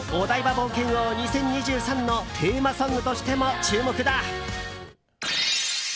冒険王２０２３のテーマソングとしても注目だ。